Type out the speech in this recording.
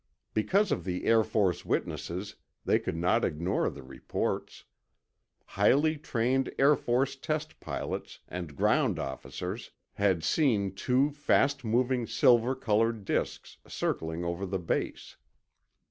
Because of the Air Force witnesses, they could not ignore the reports. Highly trained Air Force test pilots and ground officers had seen two fast moving silver colored disks circling over the base.